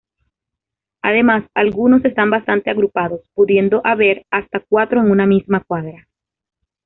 Además, algunos están bastante agrupados, pudiendo haber hasta cuatro en una misma cuadra.